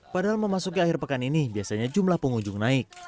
padahal memasuki akhir pekan ini biasanya jumlah pengunjung naik